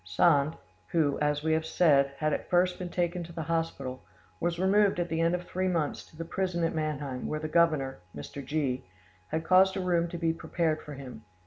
Sand, who, as we have said, had at first been taken to the hospital, was removed at the end of three months to the prison at Mannheim, where the governor, Mr. G——, had caused a room to be prepared for him.